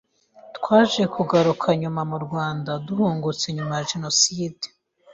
Twaje kugaruka nyuma mu Rwanda duhungutse nyuma ya genocide.